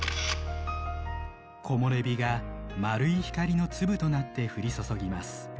木漏れ日が丸い光の粒となって降り注ぎます。